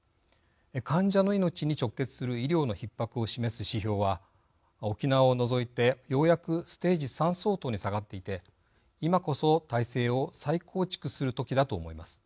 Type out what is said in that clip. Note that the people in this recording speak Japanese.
患者の命に直結する医療のひっ迫を示す指標は沖縄を除いてようやくステージ３相当に下がっていて今こそ体制を再構築するときだと思います。